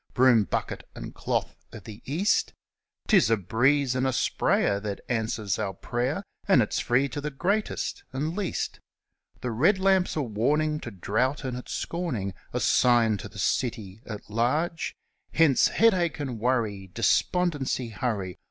Broom, Bucket, and Cloth of the East ! 'Tis a breeze and a sprayer that answers our prayer, And it's free to the greatest and least. The red lamp's a warning to drought and its scorning A sign to the city at large Hence, Headache and Worry! Despondency, hurry!